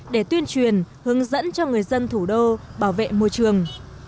để tuyên truyền hướng dẫn cho người dân thủ đô bảo vệ môi trường